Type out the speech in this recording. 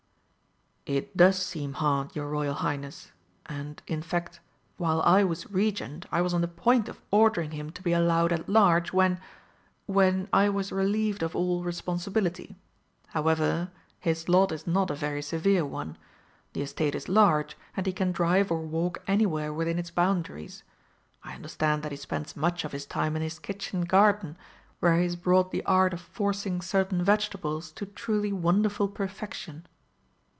"It does seem hard, your Royal Highness, and, in fact, while I was Regent I was on the point of ordering him to be allowed at large, when when I was relieved of all responsibility. However, his lot is not a very severe one. The estate is large, and he can drive or walk anywhere within its boundaries. I understand that he spends much of his time in his kitchen garden, where he has brought the art of forcing certain vegetables to truly wonderful perfection."